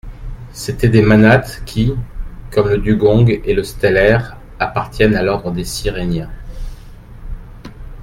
C'étaient des manates qui, comme le dugong et le stellère, appartiennent à l'ordre des syréniens.